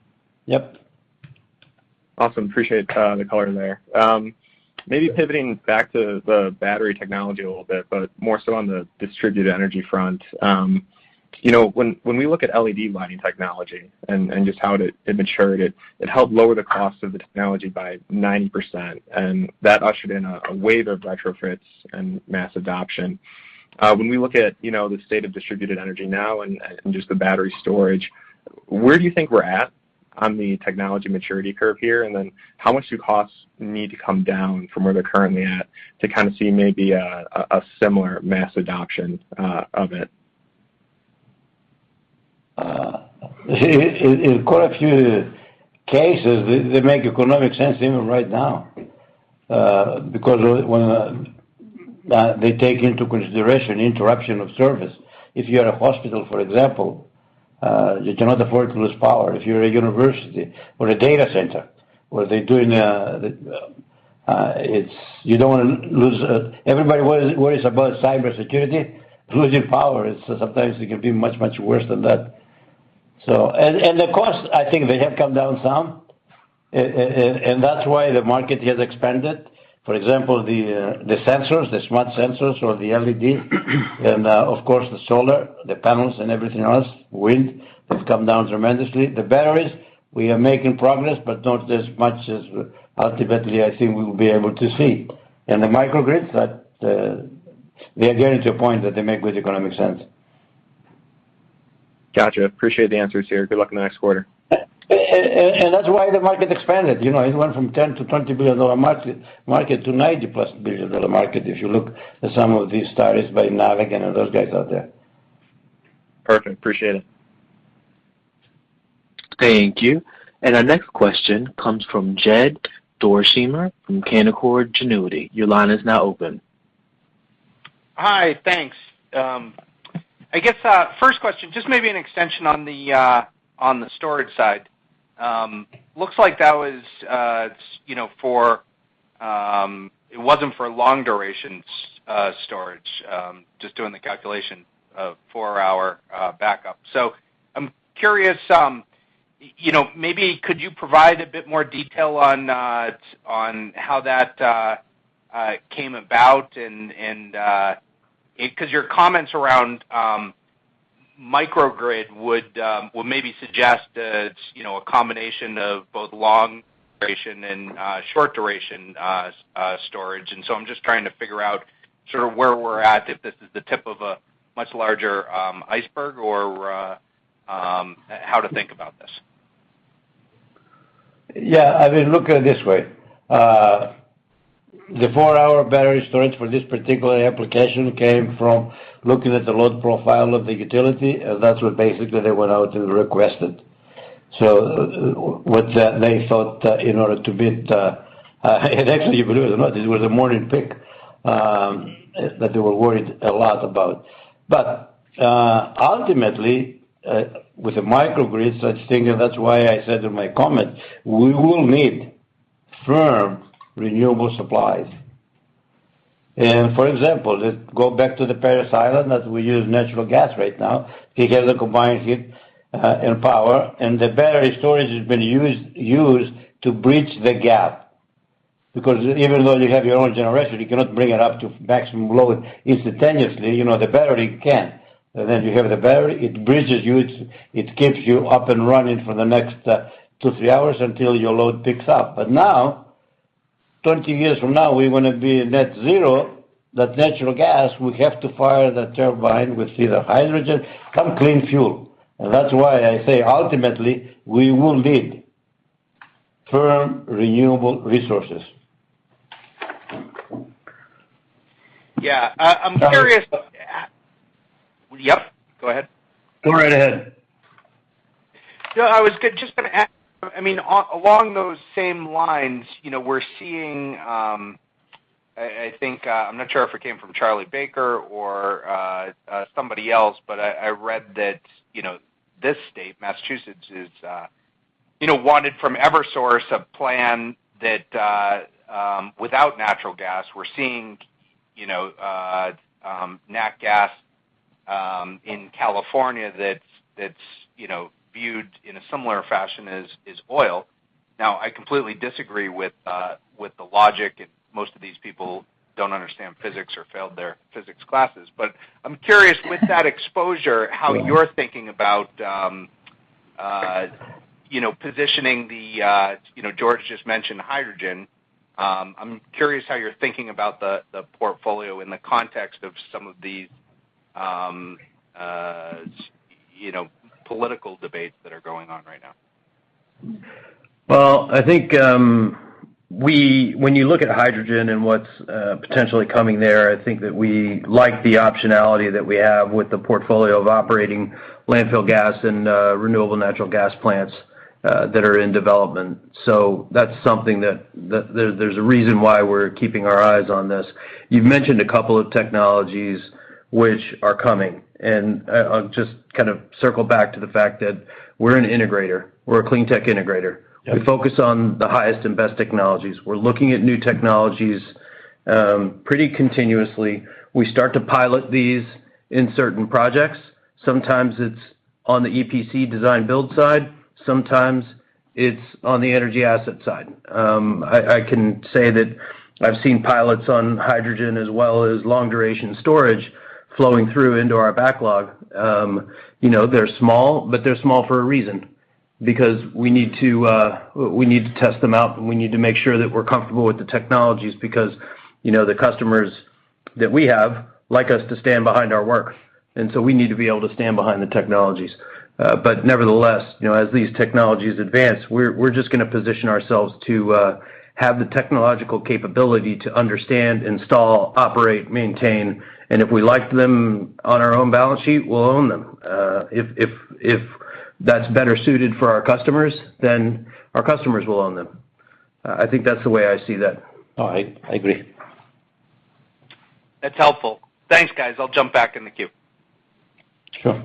Yep. Awesome. Appreciate the color there. Maybe pivoting back to the battery technology a little bit, but more so on the distributed energy front. You know, when we look at LED lighting technology and just how it matured, it helped lower the cost of the technology by 90%, and that ushered in a wave of retrofits and mass adoption. When we look at, you know, the state of distributed energy now and just the battery storage, where do you think we're at on the technology maturity curve here? And then how much do costs need to come down from where they're currently at to kind of see maybe a similar mass adoption of it? In quite a few cases, they make economic sense even right now, because when they take into consideration interruption of service. If you're a hospital, for example, you cannot afford to lose power. If you're a university or a data center, you don't wanna lose. Everybody worries about cybersecurity, losing power is sometimes it can be much worse than that. And the cost, I think they have come down some. And that's why the market has expanded. For example, the sensors, the smart sensors or the LED, and of course, the solar, the panels and everything else, wind, have come down tremendously. The batteries, we are making progress, but not as much as ultimately I think we will be able to see. The microgrids are getting to a point that they make good economic sense. Gotcha. Appreciate the answers here. Good luck in the next 1/4. That's why the market expanded. You know, it went from $10-$20 billion dollar market to $90+ billion dollar market, if you look at some of these studies by Navigant and those guys out there. Perfect. Appreciate it. Thank you. Our next question comes from Jed Dorsheimer from Canaccord Genuity. Your line is now open. Hi. Thanks. I guess first question, just maybe an extension on the storage side. Looks like that was, you know, for. It wasn't for long duration storage, just doing the calculation of 4-hour backup. So I'm curious, you know, maybe could you provide a bit more detail on how that came about and 'cause your comments around microgrid would maybe suggest that, you know, a combination of both long duration and short duration storage. I'm just trying to figure out sort of where we're at, if this is the tip of a much larger iceberg or how to think about this. Yeah, I mean, look at it this way. The four-hour battery storage for this particular application came from looking at the load profile of the utility. That's what basically they went out and requested. So what they thought in order to bid, and actually, believe it or not, it was a morning peak that they were worried a lot about. But ultimately, with a microgrid such thing, and that's why I said in my comment, we will need firm renewable supplies. For example, let's go back to the Parris Island that we use natural gas right now. It has a combined heat and power, and the battery storage has been used to bridge the gap. Because even though you have your own generation, you cannot bring it up to maximum load instantaneously. You know, the battery can. Then you have the battery, it bridges you. It keeps you up and running for the next 2, 3 hours until your load picks up. Now, 20 years from now, we wanna be at net zero. That natural gas, we have to fire the turbine with either hydrogen, some clean fuel. That's why I say, ultimately, we will need firm renewable resources. Yeah. I'm curious. Yep, go ahead. Go right ahead. No, I was just gonna ask, I mean, along those same lines, you know, we're seeing, I think, I'm not sure if it came from Charlie Baker or somebody else, but I read that, you know, this state, Massachusetts, wants from Eversource a plan that without natural gas, we're seeing, you know, nat gas in California that's viewed in a similar fashion as oil. Now, I completely disagree with the logic, and most of these people don't understand physics or failed their physics classes. I'm curious, with that exposure, how you're thinking about positioning the, you know, George just mentioned hydrogen. I'm curious how you're thinking about the portfolio in the context of some of these, you know, political debates that are going on right now. Well, I think, when you look at hydrogen and what's potentially coming there, I think that we like the optionality that we have with the portfolio of operating landfill gas and renewable natural gas plants that are in development. That's something that there's a reason why we're keeping our eyes on this. You've mentioned a couple of technologies which are coming, and I'll just kind of circle back to the fact that we're an integrator. We're a clean tech integrator. Yeah. We focus on the highest and best technologies. We're looking at new technologies pretty continuously. We start to pilot these in certain projects. Sometimes it's on the EPC design build side, sometimes it's on the energy asset side. I can say that I've seen pilots on hydrogen as well as long duration storage flowing through into our backlog. You know, they're small, but they're small for a reason, because we need to test them out, and we need to make sure that we're comfortable with the technologies because, you know, the customers that we have like us to stand behind our work. We need to be able to stand behind the technologies. Nevertheless, you know, as these technologies advance, we're just gonna position ourselves to have the technological capability to understand, install, operate, maintain, and if we like them on our own balance sheet, we'll own them. If that's better suited for our customers, then our customers will own them. I think that's the way I see that. No, I agree. That's helpful. Thanks, guys. I'll jump back in the queue. Sure.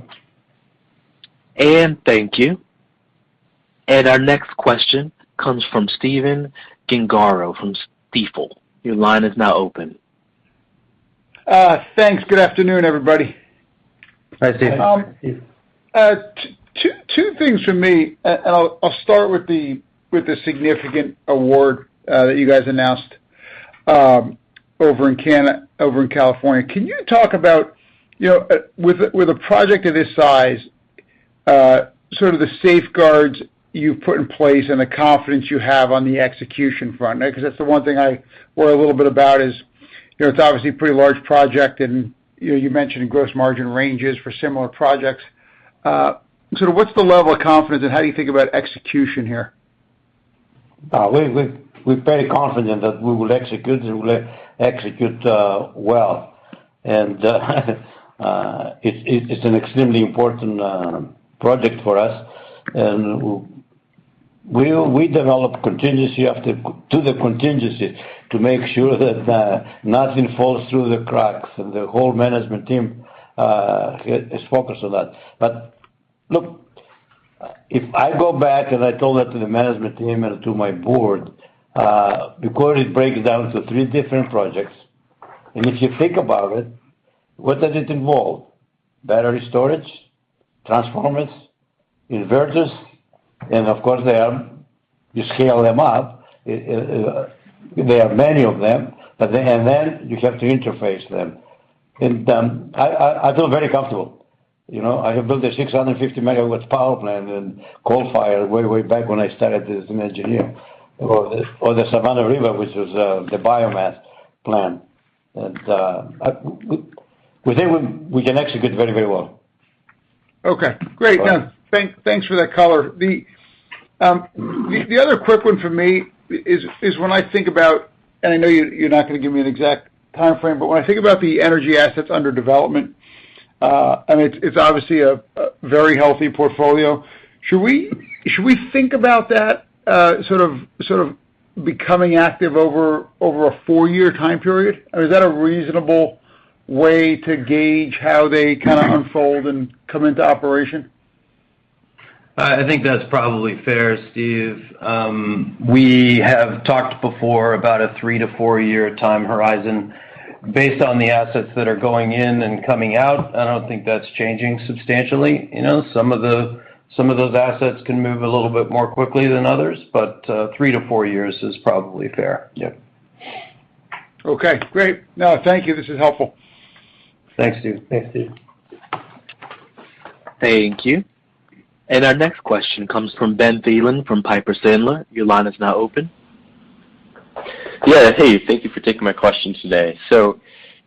Thank you. Our next question comes from Stephen Gengaro from Stifel. Your line is now open. Thanks. Good afternoon, everybody. Hi, Stephen. Stephen. Two things from me, and I'll start with the significant award that you guys announced over in California. Can you talk about, you know, with a project of this size, sort of the safeguards you've put in place and the confidence you have on the execution front? 'Cause that's the one thing I worry a little bit about is, you know, it's obviously a pretty large project and, you know, you mentioned gross margin ranges for similar projects. What's the level of confidence and how do you think about execution here? We're very confident that we will execute well. It's an extremely important project for us. We develop contingency after contingency to make sure that nothing falls through the cracks, and the whole management team is focused on that. Look, if I go back and I told that to the management team and to my board, because it breaks down to 3 different projects, and if you think about it, what does it involve? Battery storage, transformers, inverters, and of course, you scale them up, there are many of them, but then you have to interface them. I feel very comfortable. You know, I have built a 650 MW power plant and coal-fired way back when I started as an engineer at the Savannah River, which was the biomass plant. We think we can execute very, very well. Okay, great. Yeah. Thanks for that color. The other quick one for me is, I know you're not gonna give me an exact timeframe, but when I think about the energy assets under development, I mean, it's obviously a very healthy portfolio. Should we think about that sort of becoming active over a four-year time period? Or is that a reasonable way to gauge how they kinda unfold and come into operation? I think that's probably fair, Stephen. We have talked before about a 3-4-year time horizon based on the assets that are going in and coming out. I don't think that's changing substantially. You know, some of those assets can move a little bit more quickly than others, but 3-4 years is probably fair. Yeah. Okay, great. No, thank you. This is helpful. Thanks, Stephen. Thank you. Our next question comes from Benjamin Thelen from Piper Sandler. Your line is now open. Yeah. Hey, thank you for taking my question today.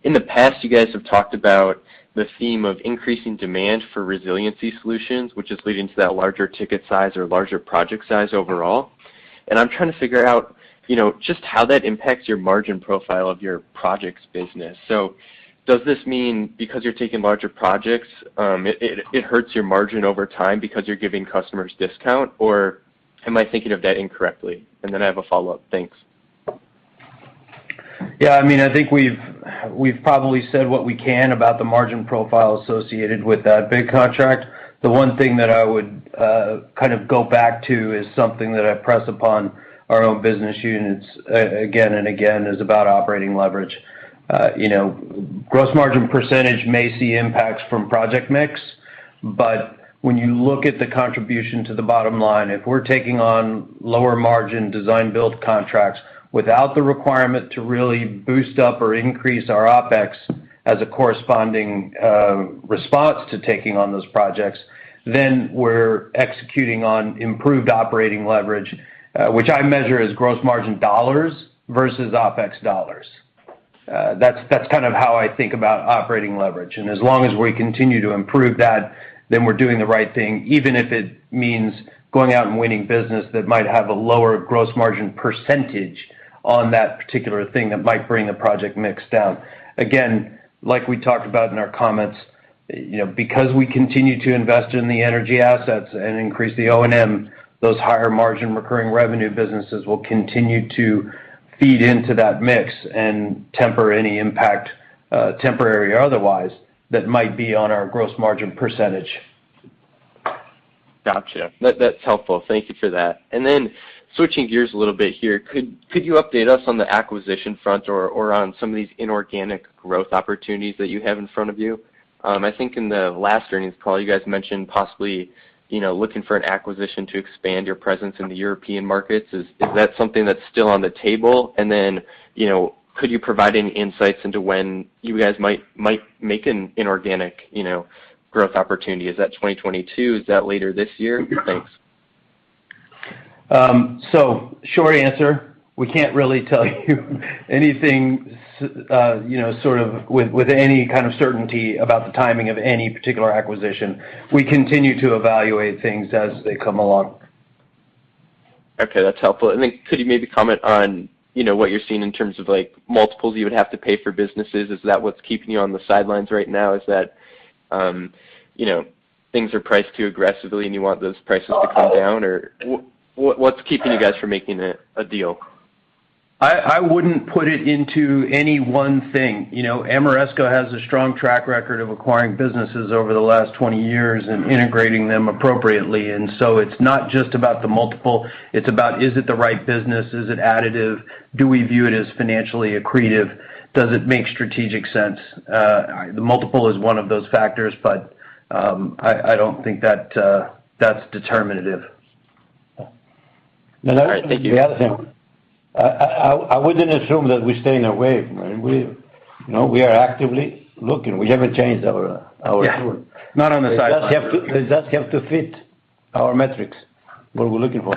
In the past, you guys have talked about the theme of increasing demand for resiliency solutions, which is leading to that larger ticket size or larger project size overall. I'm trying to figure out, you know, just how that impacts your margin profile of your projects business. Does this mean because you're taking larger projects, it hurts your margin over time because you're giving customers discount? Or am I thinking of that incorrectly? Then I have a Follow-Up. Thanks. Yeah, I mean, I think we've probably said what we can about the margin profile associated with that big contract. The one thing that I would kind of go back to is something that I press upon our own business units again and again, is about operating leverage. You know, gross margin percentage may see impacts from project mix, but when you look at the contribution to the bottom line, if we're taking on lower margin design build contracts without the requirement to really boost up or increase our OpEx as a corresponding response to taking on those projects, then we're executing on improved operating leverage, which I measure as gross margin dollars versus OpEx dollars. That's kind of how I think about operating leverage. As long as we continue to improve that, then we're doing the right thing, even if it means going out and winning business that might have a lower gross margin percentage on that particular thing that might bring the project mix down. Again, like we talked about in our comments, you know, because we continue to invest in the energy assets and increase the O&M, those higher margin recurring revenue businesses will continue to feed into that mix and temper any impact, temporary or otherwise, that might be on our gross margin percentage. Gotcha. That, that's helpful. Thank you for that. Then switching gears a little bit here, could you update us on the acquisition front or on some of these inorganic growth opportunities that you have in front of you? I think in the last earnings call, you guys mentioned possibly, you know, looking for an acquisition to expand your presence in the European markets. Is that something that's still on the table? Then, you know, could you provide any insights into when you guys might make an inorganic, you know, growth opportunity? Is that 2022? Is that later this year? Thanks. Short answer, we can't really tell you anything, you know, sort of with any kind of certainty about the timing of any particular acquisition. We continue to evaluate things as they come along. Okay, that's helpful. Then could you maybe comment on, you know, what you're seeing in terms of, like, multiples you would have to pay for businesses? Is that what's keeping you on the sidelines right now is that, you know, things are priced too aggressively and you want those prices to come down? Or what's keeping you guys from making a deal? I wouldn't put it into any one thing. You know, Ameresco has a strong track record of acquiring businesses over the last 20 years and integrating them appropriately. It's not just about the multiple, it's about is it the right business? Is it additive? Do we view it as financially accretive? Does it make strategic sense? The multiple is one of those factors, but I don't think that that's determinative. All right. Thank you. The other thing, I wouldn't assume that we're staying away. You know, we are actively looking. We haven't changed our tune. Not on the sidelines, no. It does have to fit our metrics, what we're looking for.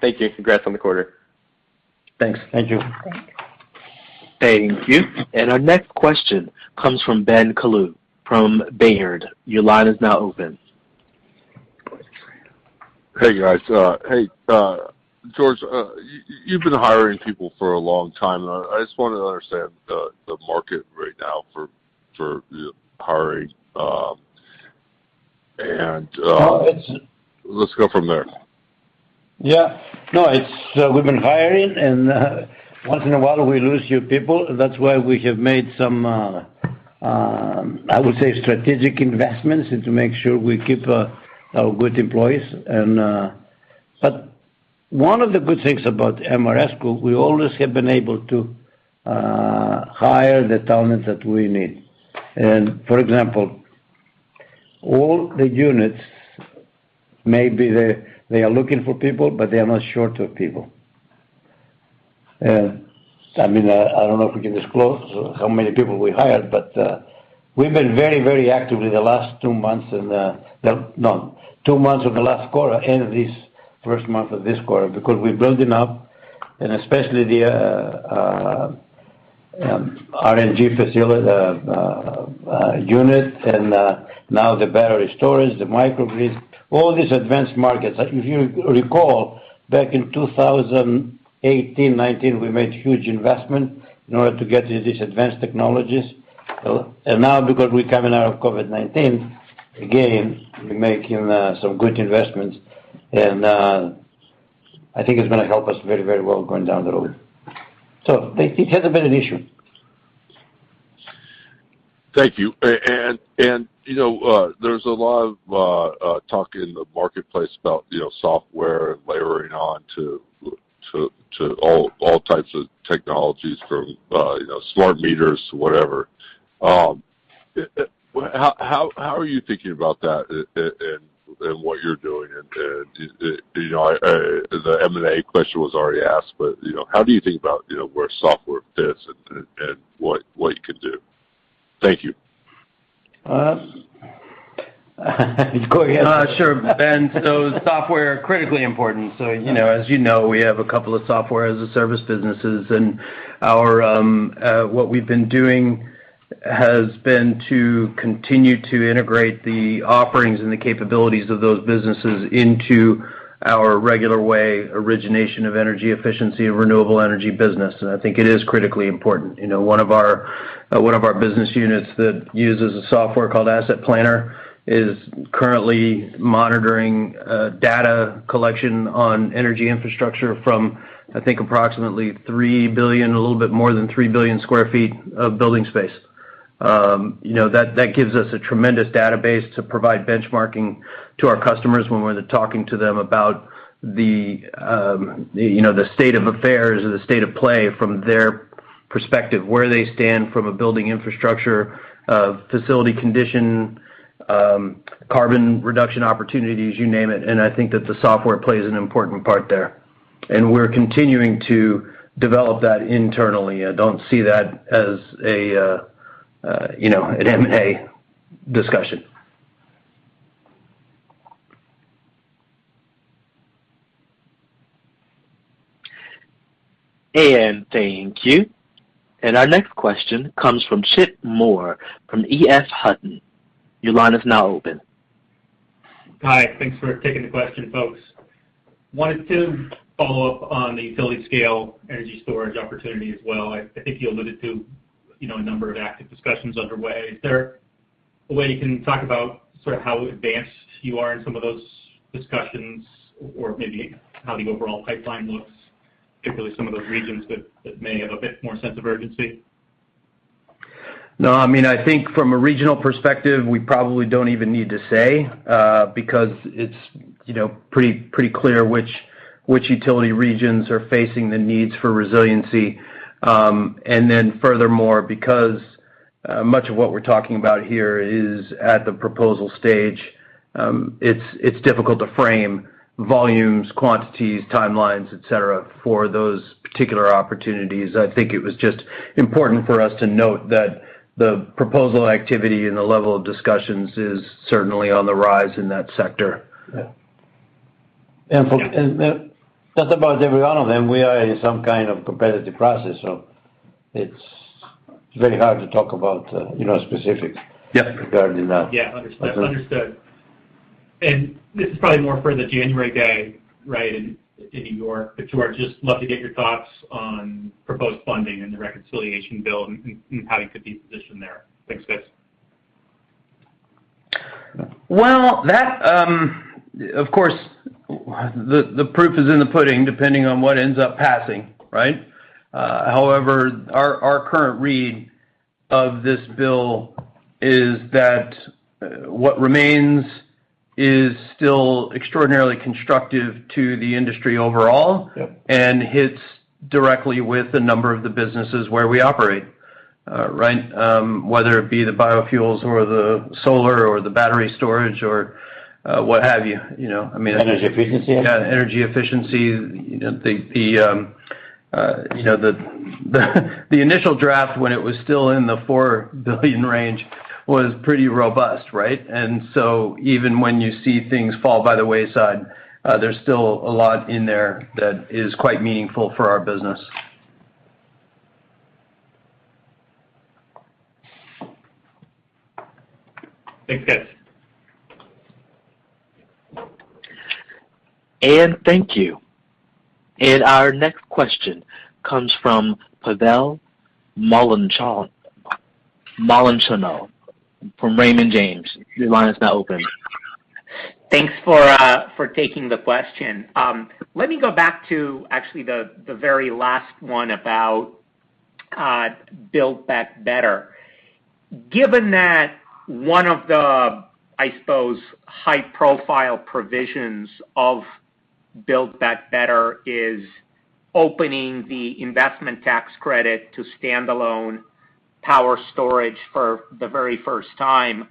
Thank you. Congrats on the 1/4. Thanks. Thank you. Thanks. Thank you. Our next question comes from Ben Kallo from Baird. Your line is now open. Hey, guys. Hey, George, you've been hiring people for a long time. I just wanna understand the market right now for hiring, and No, it's- Let's go from there. Yeah. No, it's we've been hiring and once in a while we lose a few people. That's why we have made some I would say strategic investments and to make sure we keep our good employees and. One of the good things about Ameresco, we always have been able to hire the talent that we need. For example, all the units, maybe they are looking for people, but they are not short of people. I mean, I don't know if we can disclose how many people we hired, but we've been very, very active in the last 2 months and no. Two months of the last 1/4 and this first month of this 1/4 because we're building up and especially the RNG facility unit and now the battery storage, the microgrids, all these advanced markets. If you recall back in 2018, 2019, we made huge investment in order to get these advanced technologies. Now because we're coming out of COVID-19, again, we're making some good investments and I think it's gonna help us very, very well going down the road. It hasn't been an issue. Thank you. You know, there's a lot of talk in the marketplace about you know, software and layering on to all types of technologies from you know, smart meters to whatever. How are you thinking about that in what you're doing? You know, the M&A question was already asked, but you know, how do you think about where software fits and what you can do? Thank you. Go ahead. Sure, Ben. Software, critically important. You know, as you know, we have a couple of software as a service businesses, and our what we've been doing has been to continue to integrate the offerings and the capabilities of those businesses into our regular way origination of energy efficiency and renewable energy business. I think it is critically important. You know, one of our business units that uses a software called Asset Planner is currently monitoring data collection on energy infrastructure from, I think, approximately 3 billion, a little bit more than 3 billion sq ft of building space. You know, that gives us a tremendous database to provide benchmarking to our customers when we're talking to them about, you know, the state of affairs or the state of play from their perspective, where they stand from a building infrastructure, facility condition, carbon reduction opportunities, you name it. I think that the software plays an important part there. We're continuing to develop that internally. I don't see that as a, you know, an M&A discussion. Thank you. Our next question comes from Chip Moore from EF Hutton. Your line is now open. Hi. Thanks for taking the question, folks. Wanted to follow up on the utility scale energy storage opportunity as well. I think you alluded to, you know, a number of active discussions underway. Is there a way you can talk about sort of how advanced you are in some of those discussions or maybe how the overall pipeline looks, particularly some of those regions that may have a bit more sense of urgency? No, I mean, I think from a regional perspective, we probably don't even need to say, because it's, you know, pretty clear which utility regions are facing the needs for resiliency. Furthermore, because much of what we're talking about here is at the proposal stage, it's difficult to frame volumes, quantities, timelines, et cetera, for those particular opportunities. I think it was just important for us to note that the proposal activity and the level of discussions is certainly on the rise in that sector. Yeah. Yeah. Just about every one of them, we are in some kind of competitive process, so it's very hard to talk about, you know, specifics. Yes. regarding that. Yeah. Understood. This is probably more for the January date, right, in New York, but George, I'd just love to get your thoughts on proposed funding and the reconciliation bill and how you could be positioned there. Thanks, guys. Well, that of course the proof is in the pudding depending on what ends up passing, right? However, our current read of this bill is that what remains is still extraordinarily constructive to the industry overall. Yep. hits directly with a number of the businesses where we operate, right? Whether it be the biofuels or the solar or the battery storage or, what have you. You know, I mean. Energy efficiency. Yeah, energy efficiency. You know, the initial draft when it was still in the $4 billion range was pretty robust, right? Even when you see things fall by the wayside, there's still a lot in there that is quite meaningful for our business. Thanks, guys. Thank you. Our next question comes from Pavel Molchanov from Raymond James. Your line is now open. Thanks for taking the question. Let me go back to actually the very last one about Build Back Better. Given that one of the, I suppose, high-profile provisions of Build Back Better is opening the investment tax credit to standalone power storage for the very first time,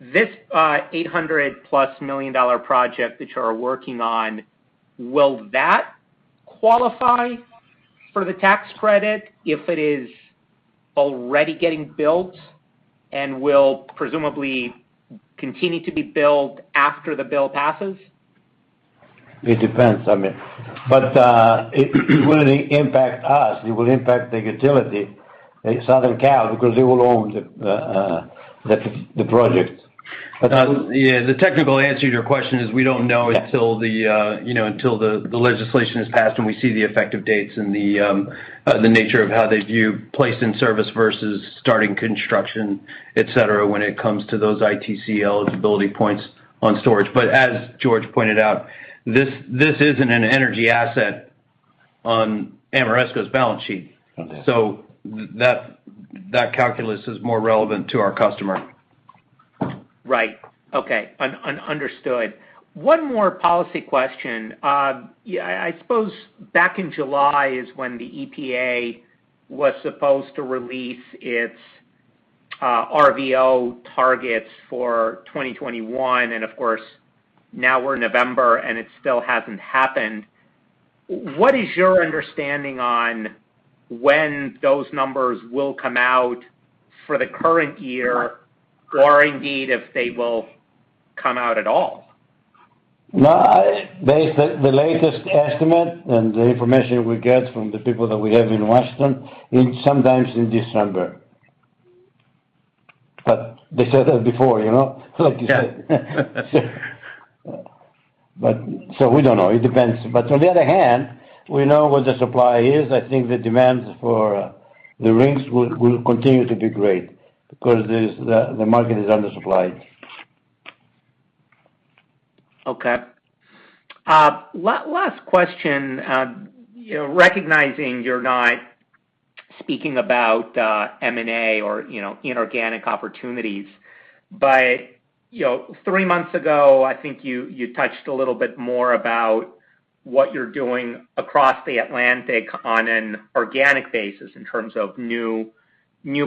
this $800+ million project that you are working on, will that qualify for the tax credit if it is already getting built and will presumably continue to be built after the bill passes? It depends, I mean. It wouldn't impact us. It will impact the utility, Southern Cal, because they will own the project. Yeah. The technical answer to your question is we don't know until the legislation is passed and we see the effective dates and the nature of how they view place in service versus starting construction, et cetera, when it comes to those ITC eligibility points on storage. As George pointed out, this isn't an energy asset on Ameresco's balance sheet. Okay. That calculus is more relevant to our customer. Right. Okay. Understood. One more policy question. Yeah, I suppose back in July is when the EPA was supposed to release its RVO targets for 2021, and of course, now we're November and it still hasn't happened. What is your understanding on when those numbers will come out for the current year, or indeed if they will come out at all? No, the latest estimate and the information we get from the people that we have in Washington is sometimes in December. But they said that before, you know? Yeah. We don't know. It depends. On the other hand, we know what the supply is. I think the demand for the RINs will continue to be great because the market is undersupplied. Okay. Last question, you know, recognizing you're not speaking about M&A or, you know, inorganic opportunities, but, you know, 3 months ago, I think you touched a little bit more about what you're doing across the Atlantic on an organic basis in terms of new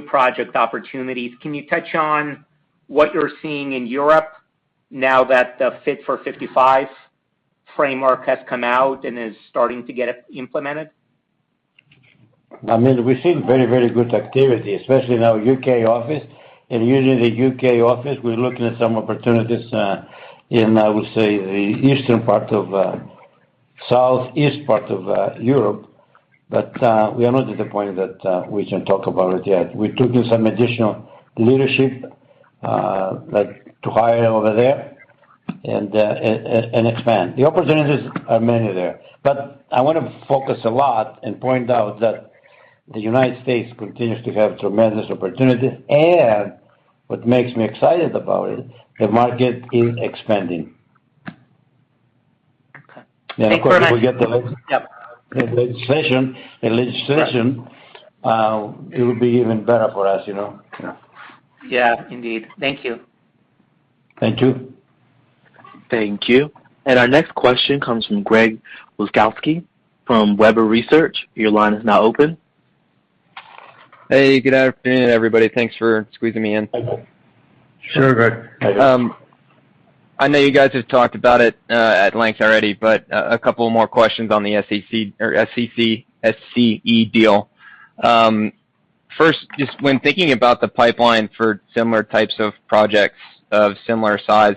project opportunities. Can you touch on what you're seeing in Europe now that the Fit for 55 framework has come out and is starting to get implemented? I mean, we've seen very, very good activity, especially in our U.K. office. Usually the U.K. office, we're looking at some opportunities in, I would say, the southeastern part of Europe. We are not at the point that we can talk about it yet. We took in some additional leadership, like to hire over there and expand. The opportunities are many there. I wanna focus a lot and point out that the United States continues to have tremendous opportunities. What makes me excited about it, the market is expanding. Okay. Thanks very much. Of course, if we get the leg- Yep. The legislation. Right. It'll be even better for us, you know? Yeah. Indeed. Thank you. Thank you. Thank you. Our next question comes from Gregory Wasikowski from Webber Research. Your line is now open. Hey, good afternoon, everybody. Thanks for squeezing me in. Sure, Greg. Sure. I know you guys have talked about it at length already, but a couple more questions on the SCE deal. First, just when thinking about the pipeline for similar types of projects of similar size,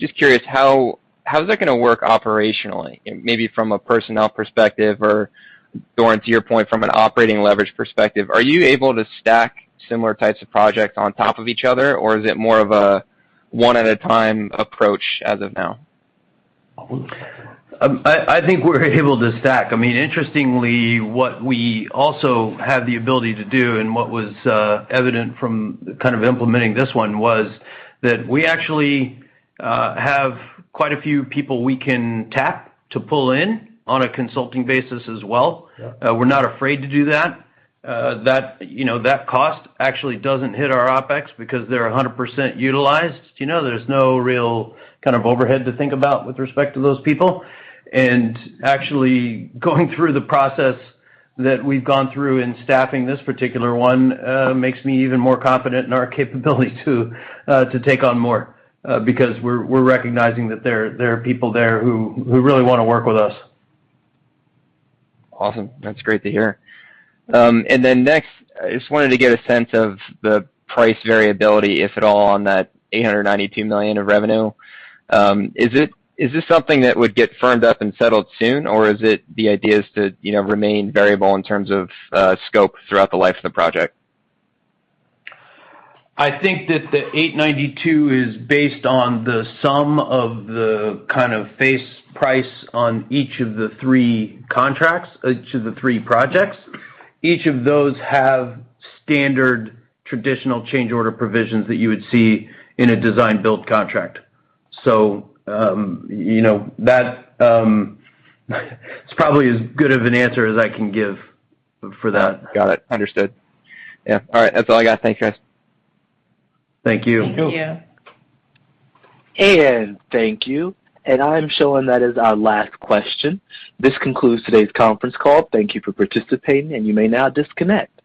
just curious, how is that gonna work operationally? Maybe from a personnel perspective or going to your point from an operating leverage perspective, are you able to stack similar types of projects on top of each other, or is it more of a one-at-a-time approach as of now? I think we're able to stack. I mean, interestingly, what we also have the ability to do and what was evident from kind of implementing this one was that we actually have quite a few people we can tap to pull in on a consulting basis as well. Yeah. We're not afraid to do that. You know, that cost actually doesn't hit our OpEx because they're 100% utilized. You know, there's no real kind of overhead to think about with respect to those people. Actually, going through the process that we've gone through in staffing this particular one makes me even more confident in our capability to take on more because we're recognizing that there are people there who really wanna work with us. Awesome. That's great to hear. Next, I just wanted to get a sense of the price variability, if at all, on that $892 million of revenue. Is this something that would get firmed up and settled soon, or is the idea to, you know, remain variable in terms of scope throughout the life of the project? I think that the $892 is based on the sum of the kind of face price on each of the 3 contracts, each of the 3 projects. Each of those have standard traditional change order provisions that you would see in a design build contract. You know, that it's probably as good of an answer as I can give for that. Got it. Understood. Yeah. All right. That's all I got. Thanks, guys. Thank you. Thank you. Thank you. Thank you. I'm showing that as our last question. This concludes today's conference call. Thank you for participating, and you may now disconnect.